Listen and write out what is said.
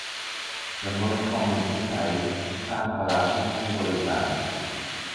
ละเมิดข้อมูลผู้ใช้ สร้างภาระผู้ให้บริการ